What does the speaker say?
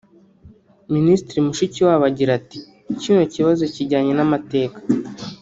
Minisitiri Mushikiwabo agira ati ”Kino kibazo kijyanye n’amateka